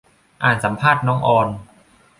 อ่านสัมภาษณ์น้องออน